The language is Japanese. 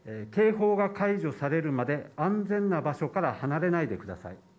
警報が解除されるまで、安全な場所から離れないでください。